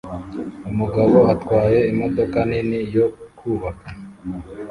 Umugabo atwaye imodoka nini yo kubaka